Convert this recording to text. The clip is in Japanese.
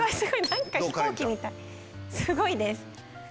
すごいです。